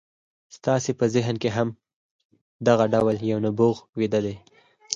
ستاسې په ذهن کې هم دغه ډول یو نبوغ ویده دی